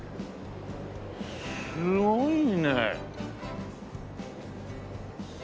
すごいねえ。